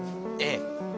ええ。